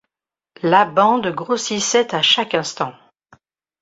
La bande grossissait à chaque instant.